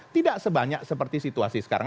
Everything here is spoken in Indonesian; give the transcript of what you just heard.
tidak sebanyak seperti situasi sekarang